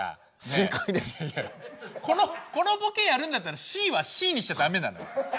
このボケやるんだったらＣはＣにしちゃ駄目なの。